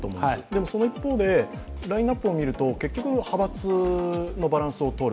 でも、その一方で、ラインナップを見ると結局派閥のバランスを取る。